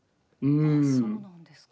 あそうなんですか。